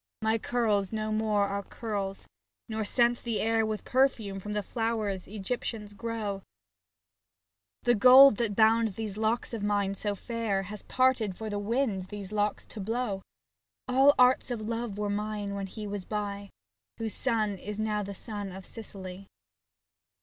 My curls no more are curls, nor scent the air With perfume from the flowers ' Egyptians grow, E . 65 SAPPHO TO PHAON The gold that bound these locks of mine so fair Has parted for the wind these locks to blow. All arts of love were mine when he was by, Whose sun is now the sun of Sicily.